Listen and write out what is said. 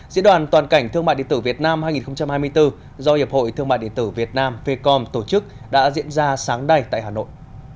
diễn đoàn toàn cảnh thương mại điện tử việt nam hai nghìn hai mươi bốn do hiệp hội thương mại điện tử việt nam fecom tổ chức đã diễn ra sáng đầy tại hà nội